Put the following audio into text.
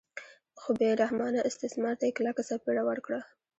خو بې رحمانه استثمار ته یې کلکه څپېړه ورکړه.